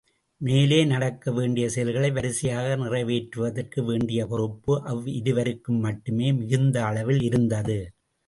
மேலே நடக்கவேண்டிய செயல்களை வரிசையாக நிறைவேற்றுவதற்கு வேண்டிய பொறுப்பு அவ்விருவருக்கும் மட்டுமே மிகுந்த அளவில் இருந்தது.